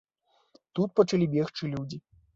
Тут пачалі бегчы людзі.